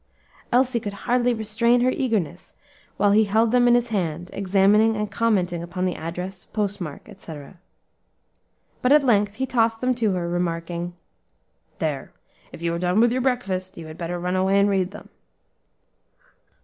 Elsie could hardly restrain her eagerness while he held them in his hand, examining and commenting upon the address, postmark, etc. But at length he tossed them to her, remarking, "There! if you are done your breakfast, you had better run away and read them."